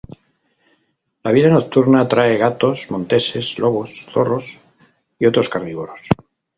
La vida nocturna trae gatos monteses, lobos, zorros y otros carnívoros.